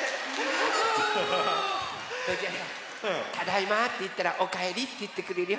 「ただいま」っていったら「おかえり」っていってくれるよ